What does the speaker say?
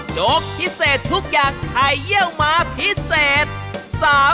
โจ๊กพิเศษทุกอย่างไข่เยี่ยวม้าพิเศษ